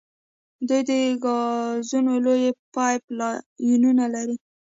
دوی د ګازو لویې پایپ لاینونه لري.